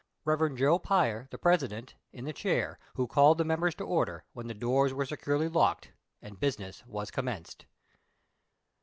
Eev. Joe Pier, the President, in the chair, who called the members to order, when the doors were securely locked, and business was commenced.